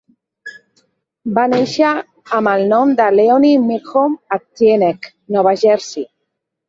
Va néixer amb el nom de Leonie Milhomme a Teaneck, Nova Jersey.